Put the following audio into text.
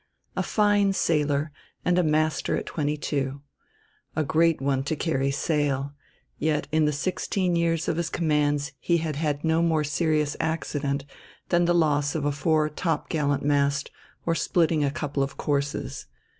A fine sailor, and a master at twenty two. A great one to carry sail; yet in the sixteen years of his commands he had had no more serious accident than the loss of a fore topgallant mast or splitting a couple of courses.